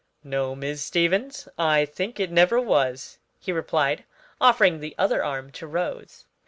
"No, Miss Stevens, I think it never was," he replied, offering the other arm to Rose.